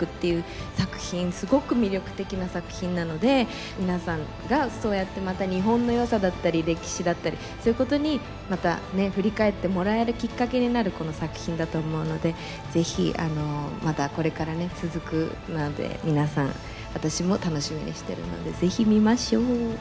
すごく魅力的な作品なので皆さんがそうやってまた日本のよさだったり歴史だったりそういうことにまた振り返ってもらえるきっかけになるこの作品だと思うのでぜひまたこれからね続くので皆さん私も楽しみにしているのでぜひ見ましょう。